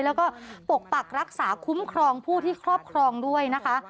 แล้วก็ปกปักรักษาคุ้มครองผู้ที่ครอบครองด้วยนะคะ